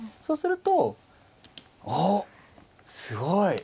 そうするとおおすごい！